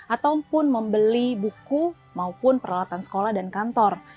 ataupun membeli buku maupun peralatan sekolah dan kantor